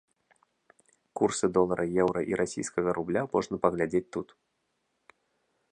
Курсы долара, еўра і расійскага рубля можна паглядзець тут.